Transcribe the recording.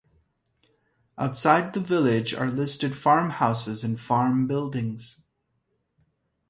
Outside the village are listed farmhouses and farm buildings.